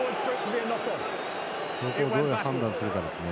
どう判断するかですね。